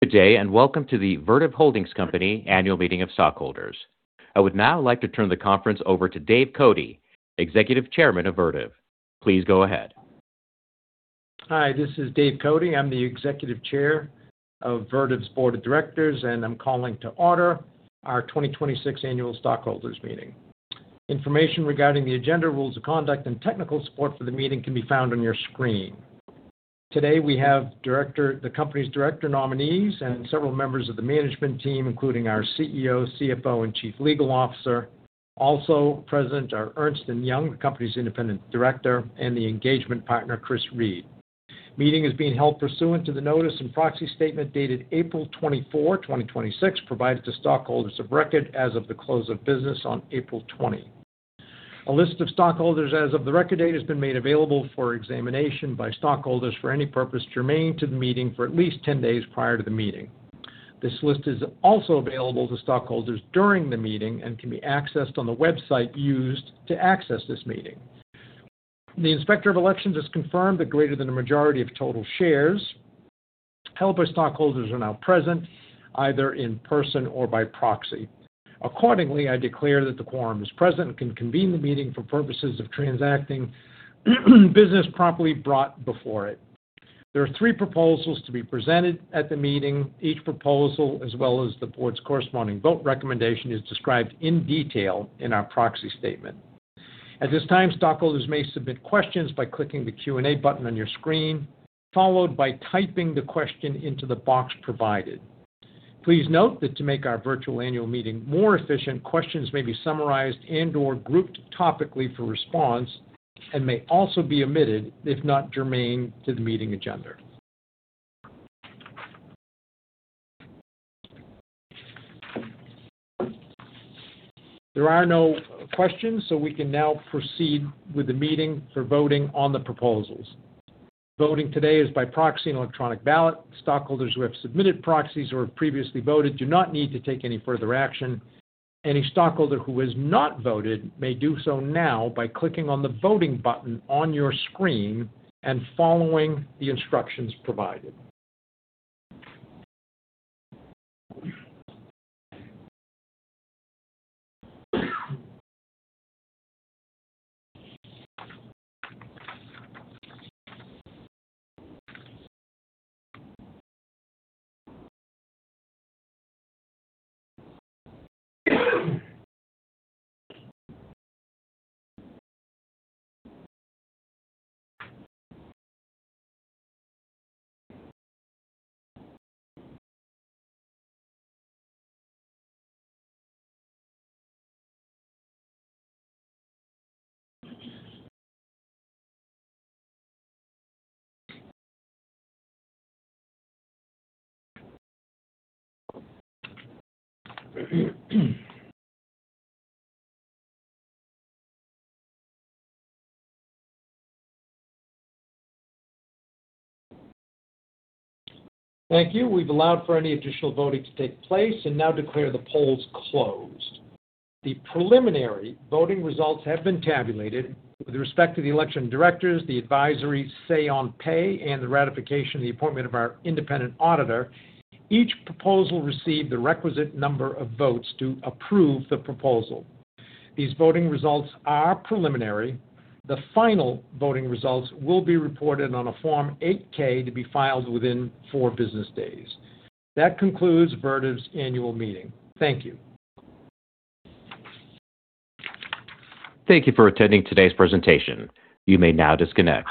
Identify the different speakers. Speaker 1: Good day, welcome to the Vertiv Holdings Co annual meeting of stockholders. I would now like to turn the conference over to Dave Cote, Executive Chairman of Vertiv. Please go ahead.
Speaker 2: Hi, this is Dave Cote. I'm the Executive Chair of Vertiv's Board of Directors, I'm calling to order our 2026 Annual Stockholders Meeting. Information regarding the agenda, rules of conduct, and technical support for the meeting can be found on your screen. Today, we have the company's director nominees and several members of the management team, including our CEO, CFO, and chief legal officer. Also present are Ernst & Young, the company's independent auditor, and the engagement partner, Chris Reid. Meeting is being held pursuant to the notice and proxy statement dated April 24, 2026, provided to stockholders of record as of the close of business on April 20. A list of stockholders as of the record date has been made available for examination by stockholders for any purpose germane to the meeting for at least 10 days prior to the meeting. This list is also available to stockholders during the meeting and can be accessed on the website used to access this meeting. The Inspector of Elections has confirmed that greater than a majority of total shares held by stockholders are now present, either in person or by proxy. Accordingly, I declare that the quorum is present and can convene the meeting for purposes of transacting business properly brought before it. There are three proposals to be presented at the meeting. Each proposal, as well as the board's corresponding vote recommendation, is described in detail in our proxy statement. At this time, stockholders may submit questions by clicking the Q&A button on your screen, followed by typing the question into the box provided. Please note that to make our virtual annual meeting more efficient, questions may be summarized and/or grouped topically for response and may also be omitted if not germane to the meeting agenda. There are no questions, we can now proceed with the meeting for voting on the proposals. Voting today is by proxy and electronic ballot. Stockholders who have submitted proxies or have previously voted do not need to take any further action. Any stockholder who has not voted may do so now by clicking on the voting button on your screen and following the instructions provided. Thank you. We've allowed for any additional voting to take place, now declare the polls closed. The preliminary voting results have been tabulated with respect to the election directors, the advisory Say on Pay, and the ratification of the appointment of our independent auditor. Each proposal received the requisite number of votes to approve the proposal. These voting results are preliminary. The final voting results will be reported on a Form 8-K to be filed within four business days. That concludes Vertiv's annual meeting. Thank you.
Speaker 1: Thank you for attending today's presentation. You may now disconnect.